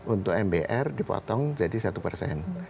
untuk mbr dipotong jadi satu persen